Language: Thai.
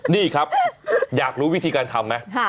นี่ครับอยากรู้วิธีการทำไหม